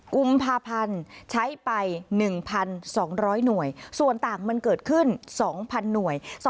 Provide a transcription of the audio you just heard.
กุมภาพันธ์ใช้ไป๑๒๐๐หน่วยส่วนต่างมันเกิดขึ้น๒๐๐๐หน่วย